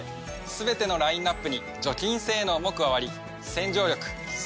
すべてのラインアップに除菌性能も加わり。